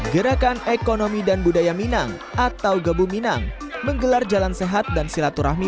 gerakan ekonomi dan budaya minang atau gabu minang menggelar jalan sehat dan silaturahmi